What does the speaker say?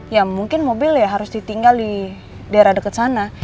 ya mungkin mobil ya harus ditinggal di daerah dekat sana